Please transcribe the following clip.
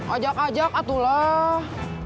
ajak ajak atuh lah